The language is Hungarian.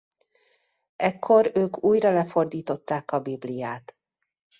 Ekkor ők újra lefordították a Bibliát.